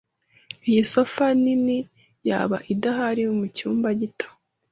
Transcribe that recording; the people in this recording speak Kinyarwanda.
Iyi sofa nini yaba idahari mucyumba gito.